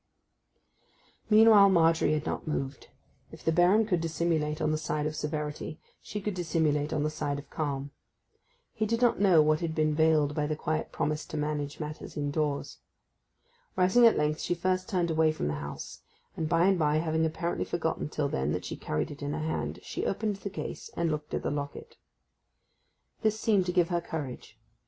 Meanwhile Margery had not moved. If the Baron could dissimulate on the side of severity she could dissimulate on the side of calm. He did not know what had been veiled by the quiet promise to manage matters indoors. Rising at length she first turned away from the house; and, by and by, having apparently forgotten till then that she carried it in her hand, she opened the case, and looked at the locket. This seemed to give her courage.